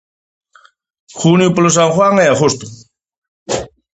Junio polo San Juan e aghosto.